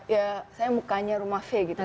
ya saya mukanya rumah v gitu